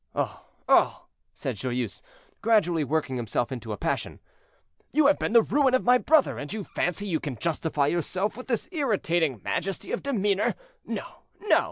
"Oh, oh!" said Joyeuse, gradually working himself into a passion, "you have been the ruin of my brother, and you fancy you can justify yourself with this irritating majesty of demeanor. No, no!